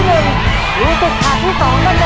หรือสิทธิ์ถาดที่๒จะเยอะ